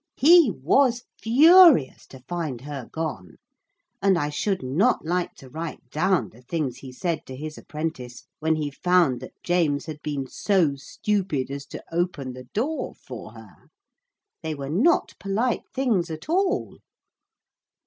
He was furious to find her gone; and I should not like to write down the things he said to his apprentice when he found that James had been so stupid as to open the door for her. They were not polite things at all.